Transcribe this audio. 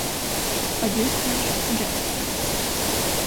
A győztes a Genoa lett.